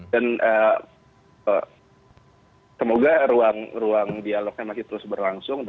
dan semoga ruang dialognya masih terus berlangsung